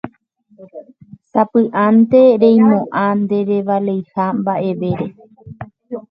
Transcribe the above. Sapy'ántepa reimo'ã nderevaleiha mba'evére.